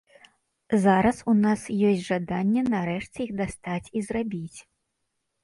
Зараз у нас ёсць жаданне нарэшце іх дастаць і зрабіць.